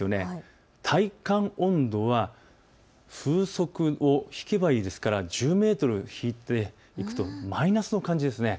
体感温度は風速を引けばいいですから１０メートル引いていくとマイナスの感じです。